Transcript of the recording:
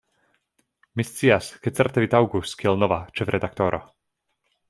"Mi scias, ke certe vi taŭgus kiel nova ĉefredaktoro.